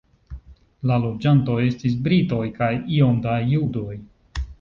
La loĝantoj estis britoj kaj iom da judoj.